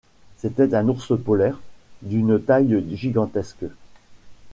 C’était un ours polaire, d’une taille gigantesque.